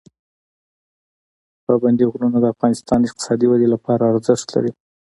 پابندي غرونه د افغانستان د اقتصادي ودې لپاره ارزښت لري.